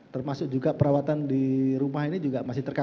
termasuk juga perawatan di rumah ini juga masih terkandung